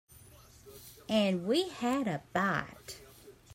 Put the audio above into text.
And we had a bite.